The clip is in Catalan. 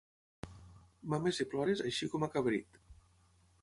Mames i plores, així com a cabrit.